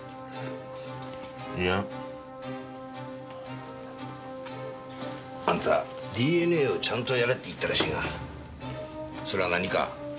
いや。あんたＤＮＡをちゃんとやれって言ったらしいがそれは何か？